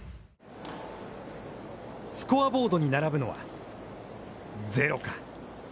スコアボードに並ぶのはゼロか。